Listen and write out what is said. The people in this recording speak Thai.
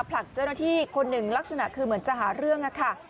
ผลักเจ้าหน้าที่คนหนึ่งลักษณะคือเหมือนจะหาเรื่องค่ะ